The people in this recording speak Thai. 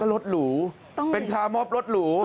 ก็ลดหลูเป็นคาร์มอฟลดหลู